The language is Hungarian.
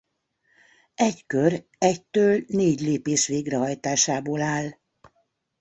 Egy kör egytől négy lépés végrehajtásából áll.